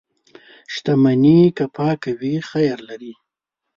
• شتمني که پاکه وي، خیر لري.